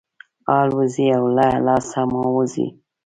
الوزي او له لاسه مو وځي.